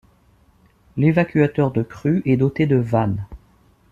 L’évacuateur de crues est doté de vannes.